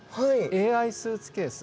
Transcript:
ＡＩスーツケース？